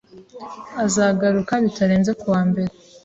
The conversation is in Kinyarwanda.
Azagaruka bitarenze kuwa mbere.